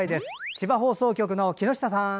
千葉放送局の木下さん。